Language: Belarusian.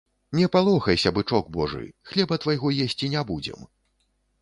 Не палохайся, бычок божы, хлеба твайго есці не будзем.